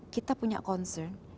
kita punya concern